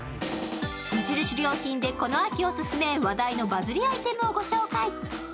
無印良品でこの秋ノススメ、話題のバズりアイテムをご紹介。